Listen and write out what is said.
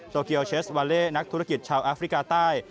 เกียวเชสวาเล่นักธุรกิจชาวแอฟริกาใต้